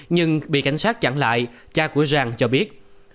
nhưng bị cảnh sát chặn lại cha của giang cho biết